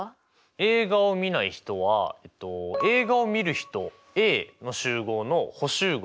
映画をみない人は映画をみる人Ａの集合の補集合